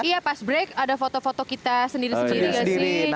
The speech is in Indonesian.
iya pas break ada foto foto kita sendiri sendiri